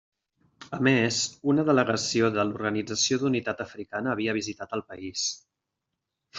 A més, una delegació de l'Organització d'Unitat Africana havia visitat el país.